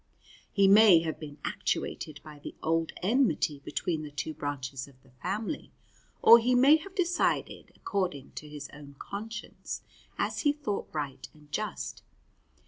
He may have been actuated by the old enmity between the two branches of the family; or he may have decided according to his own conscience as he thought right and just.